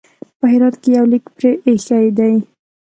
په هرات کې یو لیک پرې ایښی دی.